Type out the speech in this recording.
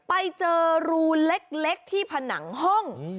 ไปเจอรูเล็กที่ผนังห้อง